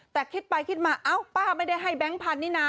แต่คิดไปคิดมาเอ้าป้าไม่ได้ให้แบงค์พันธุนี่นะ